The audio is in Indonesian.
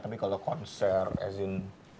tapi kalau konser as in